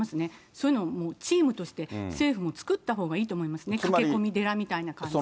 そういうのチームとして、政府も作ったほうがいいと思いますね、駆け込み寺みたいな感じ。